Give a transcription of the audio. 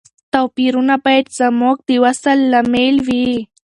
توپیرونه باید زموږ د وصل لامل وي.